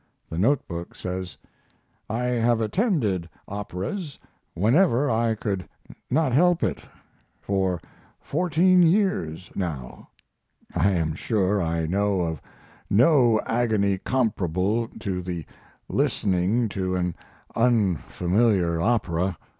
The note book says: I have attended operas, whenever I could not help it, for fourteen years now; I am sure I know of no agony comparable to the listening to an unfamiliar opera.